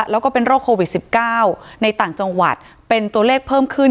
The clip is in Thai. แล้วก็เป็นโรคโควิด๑๙ในต่างจังหวัดเป็นตัวเลขเพิ่มขึ้น